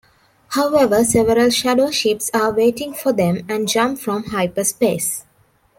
However several Shadow ships are waiting for them and jump from hyperspace.